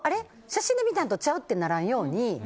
写真で見たのとちゃうってならんように。